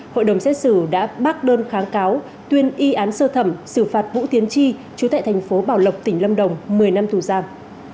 hội đồng xét xử đã bác đơn kháng cáo tuyên y án sơ thẩm xử phạt vũ tiến tri chú tại tp bảo lộc tỉnh lâm đồng một mươi năm tù giang